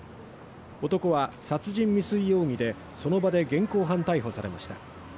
男は殺人未遂容疑でその場で現行犯逮捕されました